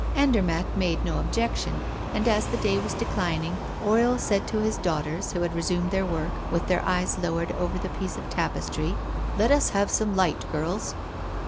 Andermatt made no objection, and, as the day was declining, Oriol said to his daughters, who had resumed their work, with their eyes lowered over the piece of tapestry: "Let us have some light, girls."